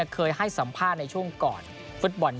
เคยให้สัมภาษณ์ในช่วงก่อนฟุตบอล